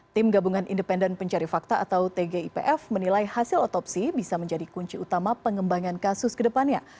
tim gabungan independen pencari fakta atau tgipf menilai hasil otopsi bisa menjadi kunci utama pengembangan kasus ke depannya